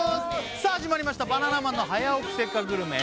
さあ始まりました「バナナマンの早起きせっかくグルメ！！」